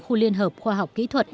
khu liên hợp khoa học kỹ thuật